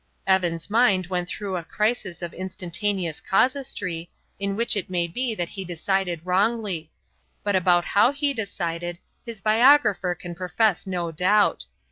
Evan's mind went through a crisis of instantaneous casuistry, in which it may be that he decided wrongly; but about how he decided his biographer can profess no doubt.